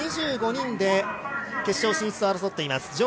２５人で決勝進出を争っています。